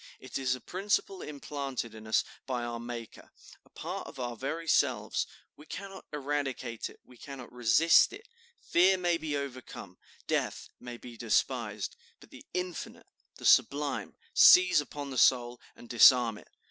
It is a principle implanted in us by our Maker, a part of our very selves; we cannot eradicate it, we cannot resist it; fear may be overcome, death may be despised; but the infinite, the sublime seize upon the soul and disarm it.